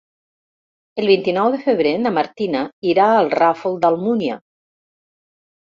El vint-i-nou de febrer na Martina irà al Ràfol d'Almúnia.